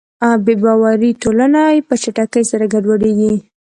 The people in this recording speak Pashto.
بېباوره ټولنه په چټکۍ سره ګډوډېږي.